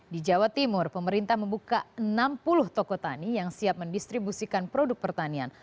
di jawa timur pemerintah membuka enam puluh toko tani yang siap mendistribusikan produk pertanian